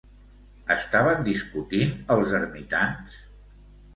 Estaven discutint els ermitans?